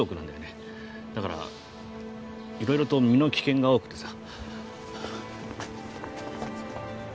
だからいろいろと身の危険が多くてさ。